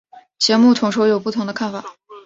节目统筹有不同的看法。